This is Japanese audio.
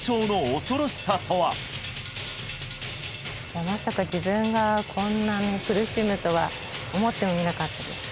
しかしまさか自分がこんなに苦しむとは思ってもみなかったです